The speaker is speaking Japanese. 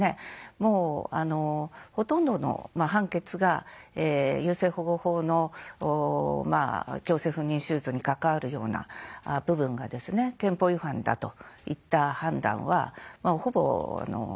もうほとんどの判決が優生保護法の強制不妊手術に関わるような部分がですね憲法違反だといった判断はほぼ定着したと思うんですよね。